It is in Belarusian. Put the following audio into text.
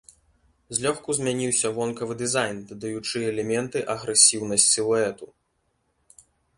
Злёгку змяніўся вонкавы дызайн, дадаючы элементы агрэсіўнасць сілуэту.